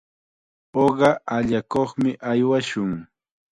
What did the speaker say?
Uqa allakuqmi aywashun.